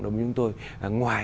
đồng minh với chúng tôi